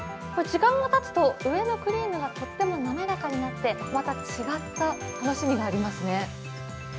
時間がたつと、上のクリームがとても滑らかになってまた違った楽しみがありますね。